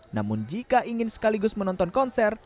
namun jika ingin sekaligus menonton konser